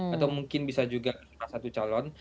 atau mungkin bisa juga salah satu calon